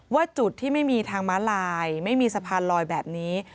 ว่าจุดที่ไม่มีทางม้าลายไม่มีสะพานลอยแบบนี้